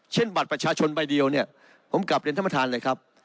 บัตรประชาชนใบเดียวเนี่ยผมกลับเรียนท่านประธานเลยครับ